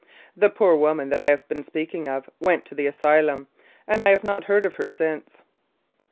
The poor woman that I have been speaking of went to the asylum, and I have not heard of her since.